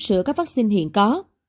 sửa các vaccine hiện có